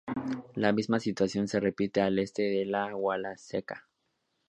La misma situación se repite al este de la Wallacea.